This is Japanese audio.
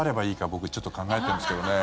僕、ちょっと考えてるんですけどね。